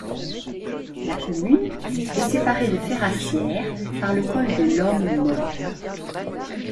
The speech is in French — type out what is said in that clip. La commune est séparée de Ferrassières par le col de l'Homme Mort.